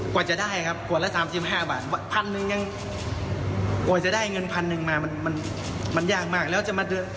กว่าจะได้ครับ๓๕บาทกว่าจะได้เงินพันสักหนึ่งหมามันมันยากมากแล้วจะมา